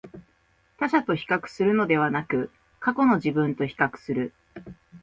他者と比較するのではなく、過去の自分と比較する